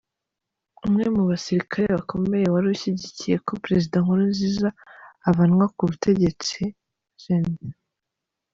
Umwe mu basirikare bakomeye wari ushyigikiye ko Perezida Nkurunziza avanwa ku butegetsi, Gen.